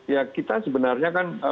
ya kita sebenarnya kan